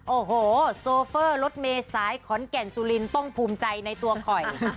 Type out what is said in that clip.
โอ้โหโซเฟอร์รถเมษายขอนแก่นสุรินต้องภูมิใจในตัวคอย